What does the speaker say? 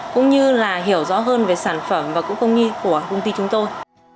cũng như là hiểu rõ hơn về sản phẩm và cũng công nghi của công ty chúng tôi